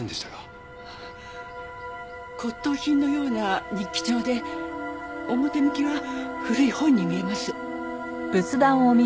骨董品のような日記帳で表向きは古い本に見えます。